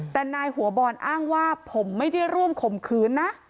แต่นายหัวบอลอ้างว่าผมไม่ได้ร่วมข่มขืนนะ